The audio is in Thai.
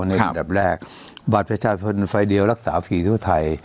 ครับในแรกบาทประชาทันฟ้าอีเดียวรักษาฝีทุกท่าย